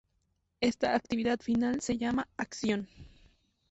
Esta actividad final se llama "acción".